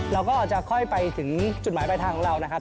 เราก็จะค่อยไปถึงจุดหมายปลายทางของเรานะครับ